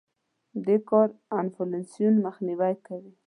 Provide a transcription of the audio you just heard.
دې کار انفلاسیون مخنیوی کړی.